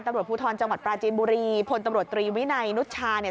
ตำรวจภูทรจังหวัดปราจีนบุรีพลตำรวจตรีวินัยนุชชาเนี่ย